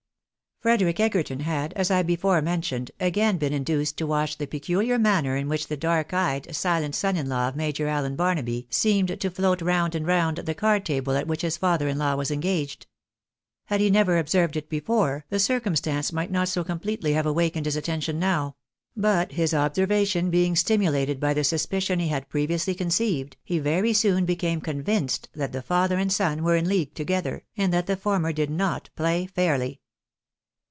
Frederic Egerton had, as I before mentioned, again been in duced to watch the peculiar manner in which the dark eyed, silent son in law of Major Allen Barnaby seemed to float round and round the card table at which his father in law was engaged. Had he never observed it before, the circumstance might not so com pletely have awakened his attention now ; but his observation being stimulated by the suspicion he had previously conceived, he very soon became convinced that the father and son were in league together, and that the former did not play fairly.